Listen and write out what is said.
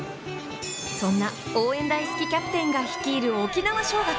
そんな応援大好きキャプテンが率いる沖縄尚学。